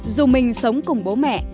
dù mình sống cùng bố mẹ